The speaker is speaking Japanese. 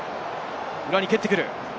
裏に蹴ってくる。